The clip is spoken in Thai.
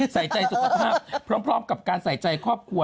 ใส่ใจสุขภาพพร้อมกับการใส่ใจครอบครัว